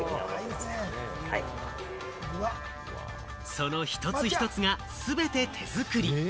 その一つ一つが全て手作り。